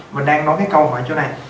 mình đang nói cái câu hỏi chỗ này